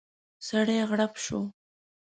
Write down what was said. سړی کړپ شو.